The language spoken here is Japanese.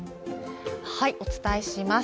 お伝えします。